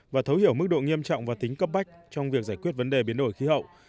và thấu hiểu mức độ nghiêm trọng và tính cấp bách trong việc giải quyết vấn đề biến đổi khí hậu